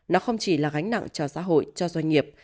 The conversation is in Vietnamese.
nó không chỉ là gánh nặng cho xã hội cho doanh nghiệp